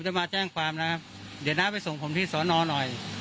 เดี๋ยวน้าไปส่งผมที่สรนนหน่อย